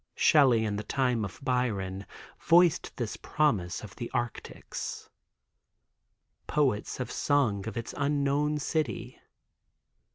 Shelly in the time of Byron voiced this promise of the Arctics. Poets have sung of its unknown city.